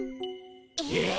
えっ？